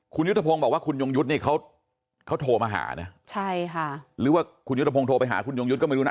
คุณยุทธพงศ์บอกว่าคุณยงยุทธ์เนี่ยเขาโทรมาหานะใช่ค่ะหรือว่าคุณยุทธพงศ์ไปหาคุณยงยุทธ์ก็ไม่รู้นะ